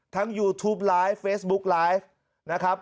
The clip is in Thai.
ยูทูปไลฟ์เฟซบุ๊กไลฟ์นะครับ